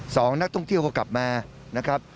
สองนักท่องเที่ยวก็กลับมานะครับ